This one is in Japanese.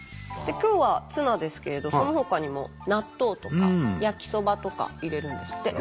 今日はツナですけれどそのほかにも納豆とか焼きそばとか入れるんですって。